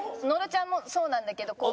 野呂ちゃんもそうなんだけど。